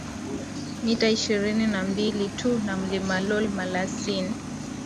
mita ishirini na mbili tu na Mlima Lool Malasin